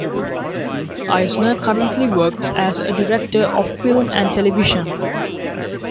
Eisner currently works as a director of film and television.